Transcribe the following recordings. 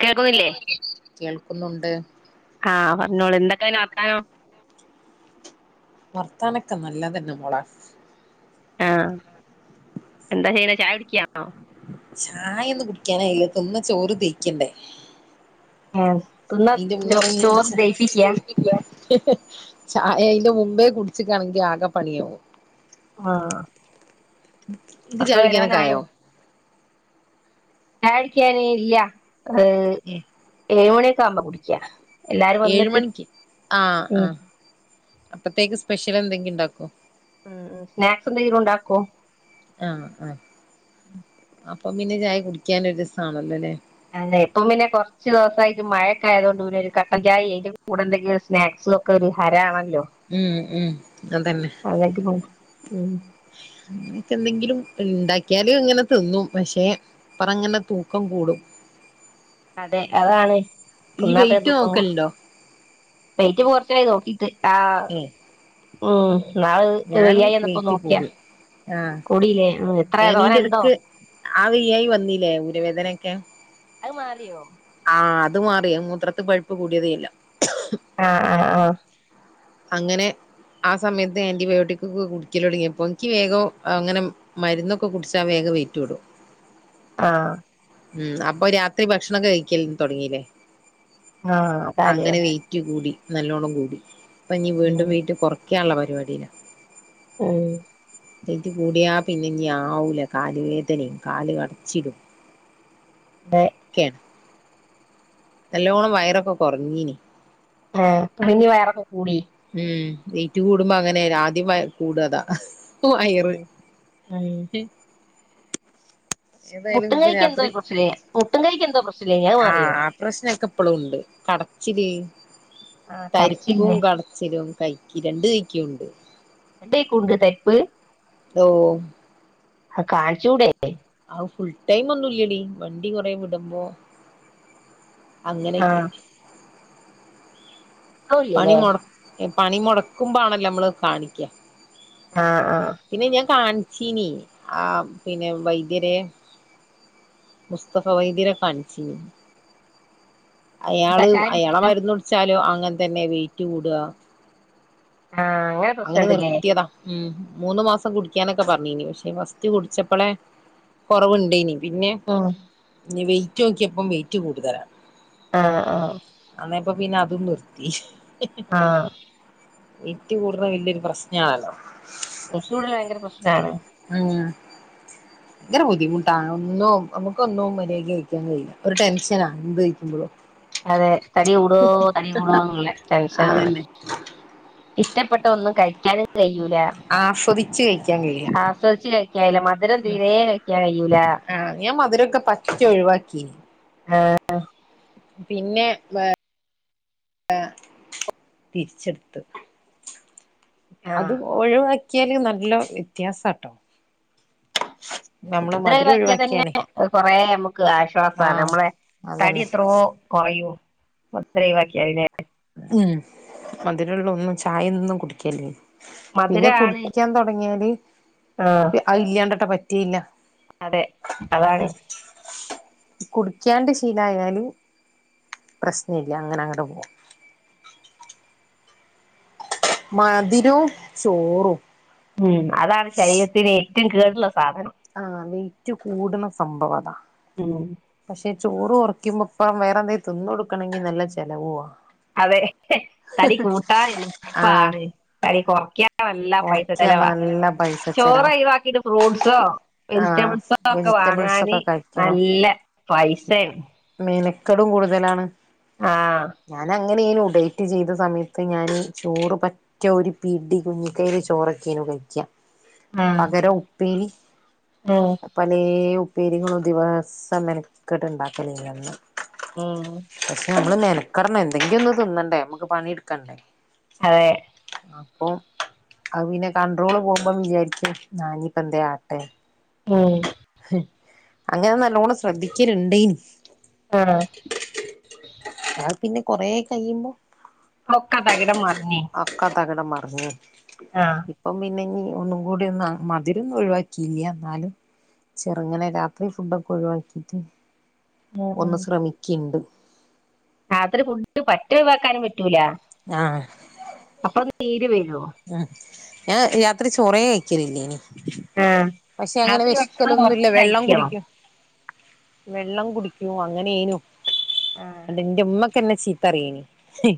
കേൾക്കുന്നില്ലേ കേൾക്കുന്നുണ്ട് ആ പറഞ്ഞോളി എന്തൊക്കെ പിന്നെ വർത്താനം വർത്താനൊക്കെ നല്ലതന്നെ മോളെ ആ എന്താ ചെയ്യ്ണ് ചായ കുടി ക്യാ ചായ ഒന്നും കുടിക്കാനായില്ല തിന്ന് ചോറ് ദയ്ക്കണ്ടേ ആ [unintelligible] ഹ് ഹ് ചായ അയിന്റെ മുമ്പേ കുടിച്ക്കാണെങ്കി ആകെ പണിയാവും ആ ഇക് ചായ കുടിക്കാനൊക്കെ ആയോ ചായട്ക്ക്യാന് ഇല്ല [unintelligible] ഏഹ് ക്കവുമ്പ കുടിക്ക എല്ലാരും ഏഴ് വന്നിട്ട് മണിക്ക് ആ ആ ഉം അപ്പത്തേക്ക് സ്പെഷ്യൽ എന്തെങ്കി ഇണ്ടാക്കോ ഉംഉം സ്നാക്സ് എന്തെങ്കിലും ഉണ്ടാക്കോ ആ ആ ആ പ്പം പിന്നെ ചായ കുടിക്കാനൊരു രസാണല്ലോ ലേ അതെ ഇപ്പം പിന്നെ കൊർച്ച് ദിവസായിട്ട് മഴക്കായതോണ്ട് പിന്നെ ഒരു കട്ടൻചായ അയ്ന്റെ കൂടെണ്ടെങ്കിൽ ഒരു സ്നാക്സും ഒക്കെ ഒരു ഹരാണല്ലോ ഉം ഉം അതന്നെ അല്ലെങ്കിലും ഉം ക്കന്തെങ്കിലും ഇണ്ടാക്കിയാലും ഇങ്ങനെ തിന്നും പക്ഷെ പ്പറങ്ങനെ തൂക്കം കൂടും അതെ അതാണ് ഈ തിന്നാ പിന്നെ വെയിറ്റ് തൂക്കം കൂടും നോക്കലുണ്ടോ വൈറ്റ് [unintelligible] ഇത് ഉം ഓം ഞാന് വെയിറ്റ് കൂടി ആഹ് കൂടിയില്ലേ ഉം എത്രയാ തോനെ ഉണ്ടോ ഞാന്നീന്റെടുക്ക് ആ വെയ്യായി വന്നില്ലേ ഊരവേദനൊക്കെ അഹ് മാറിയോ ആ അത് മാറി അഹ് മൂത്രത്ത് പഴുപ്പ് കൂടിയതേല്ല ആ ആഹ് ആഹ് അങ്ങനെ ആ സമയത്ത് ആൻറിബയോട്ടിക് ക്കൊ കുടിക്കലൊട്ങ്ങിയപ്പോ ഇൻകി വേഗോ അങ്ങനെ മരുന്നൊക്കെ കുടിച്ചാ വേഗം വേറ്റുടും ആഹ് ഉം അപ്പൊ രാത്രി ഭക്ഷണൊക്കെ കഴിക്കൽ തൊട്ങ്ങീല്ലേ ആ അതാല്ലെ നല്ലോണം കൂടി പ്പഞ്ഞി വീണ്ടും വെയ്റ്റ് കൊർ ക്യാള്ള പരിവാടീല ഉം വെയ്റ്റ് കൂടിയാ പിന്നെഞ്ഞി ആവൂല കാല് വേദനേം കാല്കടച്ചിലും അതെ കേണ് നല്ലോണം വയറൊക്കെ കൊർഞ്ഞീഞ്ഞി ആ പിന്നിം വയറൊക്കെ കൂടി ഉം വെയ്റ്റ് കൂടുമ്പോ അങ്ങനെ രാദ്യം വയറ് കൂടതാ ആഹ് അഹ് സെതായാലും പ്പൊ എന്തോ രാത്രി പ്രശ്നേ മുട്ടും കൈക്ക് എന്തോ പ്രശ്നല്ലേ അത് മാറിയോ ആഹ് പ്രശ്നൊക്കെ പ്പളുണ്ട് കടച്ചില്. ആഹ് തരിപ്പും കടച്ചിലില്ലേ കട യോം കൈക്കി രണ്ട് കൈക്കുണ്ട്. രണ്ടേക്കും ഉണ്ട് ഓ അഹ് കാണിച്ചൂടെ? അഹ് ഫുൾ ടൈം ഒന്നുല്ലടി വണ്ടി കൊറേ വിടുമ്പോ അങ്ങനെയൊക്കെ ആഹ് ഇപ്പളും പണി ഇല്ലല്ലേ മൊട് പണി മൊടക്കുമ്പ ആണല്ലോ നമ്മള് കാണിക്കാ ആഹ് ആഹ് പിന്നെ ഞാൻ കാണിച് തിനി ആ പിന്നെ വൈദ്യരെ മുസ്തഫ വൈദ്യരെ കാണിച്ചീനി അയാള് കഷായം കുടിച്ച് അയാളെ മരുന്ന്ടിച്ചാലോ ആ അങ്ങൻ തന്നെ വെയിറ്റ് കൂടുക ആഹ് അങ്ങനെ പ്രശ്നണ്ട്ല്ലേ നിർത്തിയതാ ഉം മൂന്ന് മാസം കുടി ക്കാനൊക്കെ പറഞ്ഞീനി പക്ഷേ ഫസ്റ്റ് കുടിച്ചപ്പോളേ കൊറവുണ്ടേയ്നി പിന്നെ ഉം നിവെയ് റ്റോക്കിയപ്പം വെയിറ്റ് കൂടുതലാ ആഹ് ആഹ് അതെ ഇപ്പൊ പിന്നതും നിർത്തി ആ എൻക്ക്‌ റ്റ് കൂടണ വല്യോരു പ്രശ്നാണല്ലോ എനിക്കിവിടെ ഭയങ്കര പ്രശ്നാണ് ഉം യങ്കര ബുദ്ധിമുട്ടാണ് ഒന്നും നമുക്ക് ഒന്നും മര്യാദക്ക് കഴിക്കാൻ കഴിയില്ല ഒരു ടെൻഷനാ എന്ത് കഴിക്കുമ്പോഴും അതെ തടി കൂടോ തടി കൂടോ ന്നുള്ള ടെൻഷനാണ് അതന്നെ ഇഷ്ടപ്പെട്ട ഒന്നും കഴി ക്കാനും കഴിയൂല ച്ച് കയ് ആസ്വദിച്ചു കഴി ലേലം മധുരം തീരെ കഴിക്കാൻ കഴിയൂല ക്കെ പറ്റെ ഒഴിവാക്കി ആ ആ പിന്നെ വേ ആ തിരിച്ചെടുത്തു ആ അത് ഒഴിവാക് ക്ക്യാലും നല്ല വ്യത്യാസാട്ടോ നമ്മള് മധുരം ഒഴിവാക്കിയാ തന്നെ ഒഴിവാക്കിയാലേ കൊറെ നമ് ക്ക്‌ ആശ്വാസാണ് ആഹ് മ്മളെ തടി അതന്നെ എത്രയോ കുറയൂ മൊത്തൊഴിവാക്കിയാല് ലേ ഉം മധുരൊള്ള ഒന്നും ഛായൊന്നും കുടിക്കല്ല് പിന്നെ മധുരാണ് കുടിച്ചാൻ തുടങ്ങിയാല് ആ അത് ഇല്ലാണ്ടട്ട് പറ്റ് ത്തില്ല അതെ അതാണ് കുടിക്കാണ്ട് ശീലായാലും പ്രശ്നയില്ല അങ്ങനങ്ങട് പോവും മധിരവും ചോറും ഉം അതാണ് ശരീരത്തിനേ ഏറ്റോം കേടുള്ള സാധനം ആ വെയിറ്റ് കൂടണ സംഭവം അതാ മം പക്ഷെ ചോറ് കൊറയ്ക്കുമ്പോ ഇപ്പം വേറെ എന്തേലും തിന്ന് കൊടുക്കണേങ്കിൽ നല്ല ചെലവുവാ അതെ തടി ആഹ് കൂട്ടാനെളുപ്പാണ് തടി കൊറക്കാൻ നല്ല പൈസ കൊറയ്ക്കാൻ ചെലവാ നല്ല പൈസ ചോറ് ചെലവാ ഒഴിവാക്കിട്ട് ഫ്രൂട്ട്സോ ആഹ് വെജിറ്റബിൾസോ ഒക്കെ വെജിറ്റബിൾസ് വാങ്ങാന് ഒക്കെ കഴിക്കണം നല്ല പൈസയാണ് ക്കടും കൂടുതലാണ് ആഹ് ഞാനങ്ങ അങ്ങനെ ഇന് ഉ ഡേറ്റ് ചെയ്ത ന് ന് ഡയിറ്റ് ചെയ്ത സമയത്ത് ഞാനീ ചോറ് പറ്റിയ [unintelligible] ഒരു പിടി കുഞ്ഞികൈയില് ചോറൊക്കെയാണുകൈക്ക ആഹ് പകരം ഉപ്പേരി ഉം [unintelligible] [unintelligible] ദിവസം മെനക്കെട്ട് ഉണ്ടാക്കലല്ലാർന്നോ ഉം [unintelligible] നിക്കറി [unintelligible] എന്തെങ്കിലും ഒന്നു തിന്നണ്ടേ നമുക്ക് പണിടുക്കണ്ടേ അതെ അപ്പം അത് പിന്നെ കൺട്രോള് പോകുമ്പം വിചാരിക്കും എന്നാ ഇനിപ്പോ എന്തേലും ആട്ടെ മം അങ്ങനെ നല്ലോണം ശ്രദ്ധിക്കലുണ്ടേനു ആ ഞാൻ പിന്നെ കൊറേ കഴിയുമ്പോ ഒക്കെത്തകിടം മറി [unintelligible] തകിടം മറിഞ്ഞു ആഹ് ഇപ്പം പിന്നെ ഈ ഒന്നും കൂടി ഒന്ന് ആ മധിരൊന്നും ഒഴിവാക്കിയില്ല എന്നാലും ചെറുങ്ങനെ രാത്രി ഫുഡൊക്കെ ഒഴിവാക്കിട്ട് ഉം ഒന്ന് ഉം ശ്രമിക്കയിണ്ട് രാത്രി ഫുഡ് പറ്റ ഒഴിവാക്കാനും പറ്റ റ്റൂല്ല അപ്പൊ നീര് വരും ആ ഞാൻ രാത്രി ചോറേ കഴിക്കലില്ലിനിം ആഹ് പക്ഷെ അങ്ങനെ രാത്രി ഭക്ഷണം വെശക്കലൊന്നുയില്ല കൊറച്ച് വെള്ളം കഴിക്കണം കുടിക്കും വെള്ളം കുടിക്കും അങ്ങനെനും ആഹ് അത് എന്റെ ഉമ്മ ഇപ്പൊ എന്നെ ചീത്തറിയാണ് ഹ്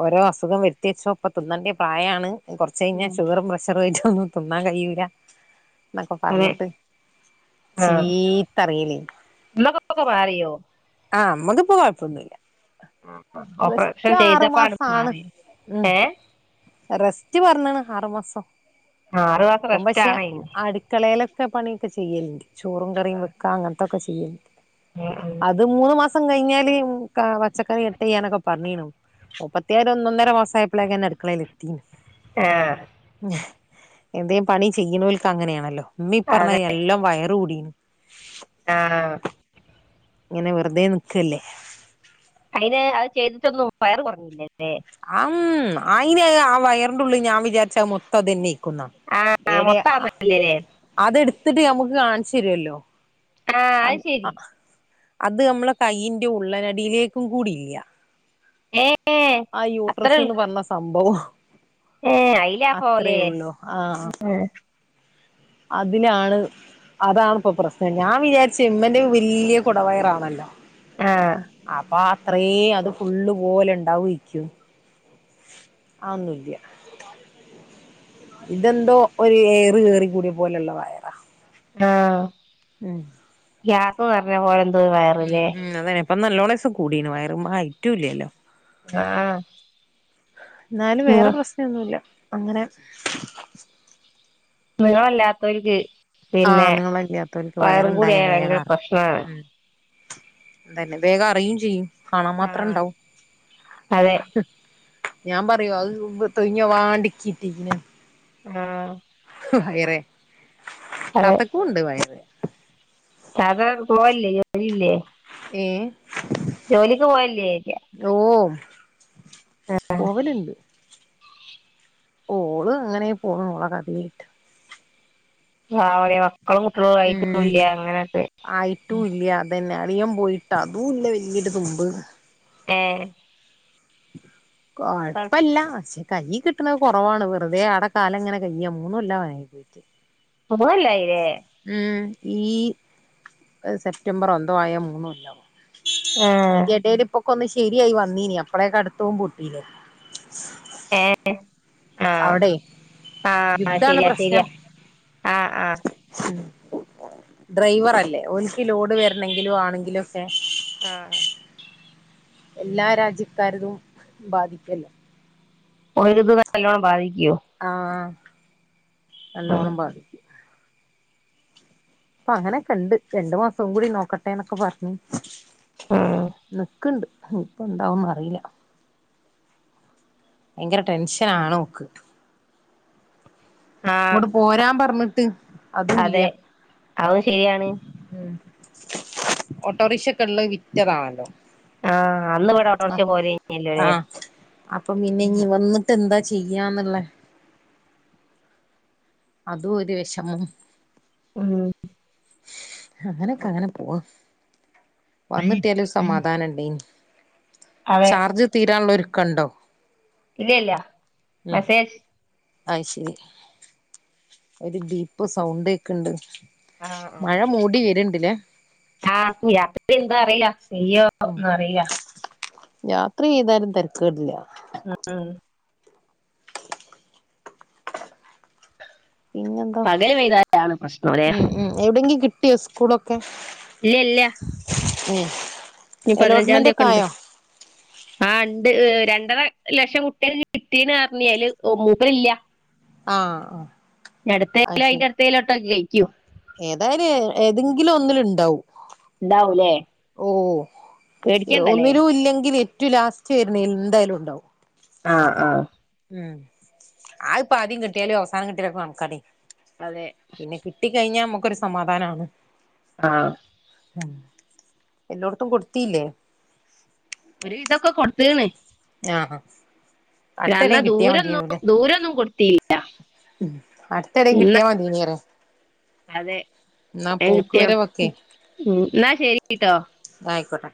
ഓരോ അസുഖം വരുത്തി വെച്ചോ അപ്പോ തിന്നണ്ടി പ്രായാണ് കുറച്ച് കഴിഞ്ഞാ ഉം ഷുഗറും പ്രഷറുമായിട്ട് ഒന്നും തിന്നാകഴിയൂല എന്നൊക്കെ അതെ പറഞ്ഞിട്ട് ആഹ് ചീത്തറിയിലേ ഇങ്ങക്കൊക്കെ മാറിയോ ആഹ് അമ്മക്കിപ്പ കുഴപ്പൊന്നുമില്ല ഒ ഓപ്പറേഷൻ ചെയ്തപ്പ [unintelligible] മാസാണ് മാറിയോ ഉം ഏ റെസ്റ്റ് പറഞ്ഞെന്ന് ആറ് മാസം ആ ആറു മാസം റസ്റ്റ് ആണെ ഇനി ഒക്കെ പണിയൊക്കെ ചെയ്യലുണ്ട് ചോറും കറിയും വെക്കാ അങ്ങനെ തക ചെയ്യും ഉം ഉം അത് മൂന്ന് മാസം കഴിഞ്ഞെ [unintelligible] പച്ചക്കറി എട്ട് ചെയ്യാനൊക്കെ പറഞ്ഞെനു മുപ്പത്തി ഒര് ഒന്നൊന്നര മാസ്സായപ്പോളേക്കുതന്നെ അടുക്കളേ ഉം ആഹ് ഉം എന്തേലും പണി ചെയ്യണർക്ക് അങ്ങനെയാണല്ലോ ഉമ്മി ഈ പറഞ്ഞ എല്ലാം വയറ് കുടി ആഹ് ഇങ്ങനെ വെറുതെ നിക്ക് അല്ലേ [unintelligible] വയറു കുറഞ്ഞില്ലല്ലേ ആം ആയിനെയാ ആ വയറിന്റുള്ളി ഞാൻ വിചാരിച്ച മൊത്തം അതന്നെ ക്കുന്ന ആ ഏടെ അ മൊത്താന്നല്ലേ അതെടു ത്തിട്ട് നമുക്ക് കാണിച്ച് തരുവല്ലോ ആഹ് അത് ശരി അത് നമ്മളെ കൈയിന്റെ ഉള്ളനടിയിലേക്കും കൂടി ഇല്ല എ ഏ ആ അത്ര യൂട്രസ് എന്ന് പറഞ്ഞ സംഭവം ഏ അയിലാ അത്രേ പോലെ ഉള്ളൂ അതിലാണ് അതാണിപ്പോ പ്രശ്നം ഞാൻ വിചാരിച്ച് മ്മന്റെ വലിയ കുടവയറാണല്ലോ ആ അപ്പൊ റേ അത് ഫുള്ള് പോലെ ഉണ്ടാവുമായിരിക്കും ആന്നില്ലേ ഇതെന്തോ ഒരു ഏയറ് കയറി കൂടിയ പോലെയുള്ള വയറാ ആ ഉം ഗ്യാസ് നർഞ്ഞ പോൽ വയറിലേ നല്ലോണ്ണിസം കൂടീന്ന് വയറ് ഹൈറ്റും ഇല്ല്യല്ലോ ആഹ് ന്നാലും വേറെ പ്രസ്നന്നുല്ല. അങ്ങനെ നീളം ഇല്ലാത്തോൽക്ക് ആ നീളല്ല്യാതോൽക്ക് കൂടി വയറ്ണ്ടായ ആയ ഭയങ്കര വേഗറി പ്രശ്നമാണ് ഉം അതന്നെ വേഗം അറിയും ചെയ്യും. കാണാൻ ആ മാത്രം ഇണ്ടാവും. അതെ ഞാൻ പറയു അത് തൊൽഞ്ഞ വാണ്ടിച്ചിട്ടീക്ക്ണ്. ആ ഹയ്റെ താത്തക്കും ഉണ്ട് വയറ്. സാധാ ർ പോവല്ലേ ജോലില്ലേ? ഏ ജോലിക്ക് പോവല്ലേ ചോയിക്കാ. പോവല്ണ്ട്. ഓള് അങ്ങനേ പോണ്. ഓളെ കഥേയ്ട്ട്. പാവാ ടീ മ ക്കളും കുട്ടിയേളും ഉം ആയിട്ടൂല്ല്യ. അങ്ങന ങ്ങട്ട് ളിയൻ പോയിട്ട് അതൂ ല്ല വല്യൊരു തുമ്പ്. ഏഹ് കൊഴ്പ്പല്ല. പക്ഷേ കൈയ് കിട്ടണത് കുറവാണ്. വെറുതെ ആട കാലം ഇങ്ങനെ കയ്യാ. മൂന്നു കൊല്ലവാനായി പോയിട്ട്. ത് കൊല്ലം ആയില്ലേ? ഉം ഈ സെപ്റ്റംബർ എന്തോ ആയ മൂന്നു കൊല്ലം ആവും ആഹ് അയിൻ്റെടയിലിപ്പ ക്കൊന്ന് ശരിയായി വന്നീനി അപ്പോളേക്കും അടുത്ത പൊ യിലേ. ഏ ആ ആ യുദ്ധാണ് ശരിയാ ശരിയാ പ്രശ്നം ആ ആ ഡ്രൈവറല്ലേ ഒല്ക്ക് ലോഡ് വരണെങ്കിലും ആണെങ്കിലും ഒക്കെ ആഹ് എല്ലാ രാജ്യക്കാര്തും ബാധിക്കല്ലേ ഓരത് നല്ലോണം ബാധി ആഹ് ഉം നല്ലോണം ബാധിക്കും അപ്പ അങ്ങനൊക്കെണ്ട് രണ്ടു മാസം കൂടി നോക്കട്ടെ എന്നൊക്കെ പറഞ്ഞു ഉം നിക്ക്ണ്ട് ഇപ്പന്താവും അറീല ഭയങ്കര ടെൻഷനാണോക്ക് ആഹ് ഇങ്ങോട്ട് പോരാൻ പറഞ്ഞിട്ട് അതൂല്ല്യ അതെ അതും ശരിയാണ് ഓട്ടോറിക്ഷക്കെള്ളത് വിറ്റതാണല്ലോ ആഹ് അന്നിവിടെ ഓട്ടോറിക്ഷ പോവലേയ്ഞ്ഞല്ലൊലേ ആഹ് ചെയ്യാന്ന്ള്ളേ അതു ഒരു വെഷമം മ്മ് അങ്ങനെക്കെ അങ്ങനെ പോണു വന്നിട്ടിയാല് ഒരു ഉം സമാധാനമുണ്ടായിനി അതെ ചാർജ് തീരാള്ളൊരു കണ്ടോ ഇല്ലല്ല മെസേജ് അയ് ശെരി ഒരു ഡീപ്പ് സൗണ്ട് കേക്കണ്ട് ആഹ് ആഹ് മഴ മൂടി വേര്ണ്ട്ലേ ആഹ് [unintelligible] അറീല്ല പെയ്യുവോ ഒന്നും അറിയാ രാത്രി പെയ്താലും തരക്കേടില്ല ആഹ് പിന്നെന്താ പകല് പെയ്താലാണ് പ്രശ്നം ല്ലേ മ്മ് മ്മ് എവിടെങ്കിലും കി ട്ടിയോ സ്‌കൂളൊ ഇല്ല ഇല്ല ഉം ഇനി പതിനഞ്ചാം അലോട്ട്മെന്റ് തീയതി ഒക്കെ ഇണ്ട് ആയോ ആഹ് രണ്ടര ലക്ഷം കുട്ടികൾക്ക് കിട്ടീന്ന് പറഞ്ഞ് അയില് മൂപ്പരില്ല ആഹ് ആഹ് ഇനി അയ് അടുത്തേലോ ശരി അയിന്റെ അടുത്തേലോട്ടോക്കി കയി ക്കും ഏതായാലും ഏതെങ്കിലും ഒന്നില് ണ്ടാവും. ഉണ്ടാവൂലേ ഓഹ് പേടിക്കണ്ടല്ലേ ഒന്നിലും ഇല്ലെങ്കില് റ്റു ലാസ്റ്റ് വരന്നേല് എന്തായാലുംണ്ടാവും. ആഹ് ആഹ് ഉം അഹ്ഇപ്പൊ ആദ്യം കിട്ടിയാലും അവസാനം കിട്ടിയാലും കണക്കാടി അതെ ട്ടി കഴിഞ്ഞാൽ നമ്മുക്കൊരു സമാധാനാണ്. ആഹ് ഉം എല്ലോട്ത്തും കൊടുത്തീല്ലേ? ത്തീണ്. ആഹ് അഹ് പിന്നെ അന്ന ദൂരൊന്നും ദൂരൊന്നും കൊടുത്തീല്ല. അടുത്തെടേം ഇന്ന കിട്ടിയാ മതിയേനി പറയാ അതെ എന്നാ വേം പോക്ക് കിട്ട്യാ. വരവൊക്കെ ഉം ന്നാ ശരിട്ടോ ഇതായിക്കോട്ടെ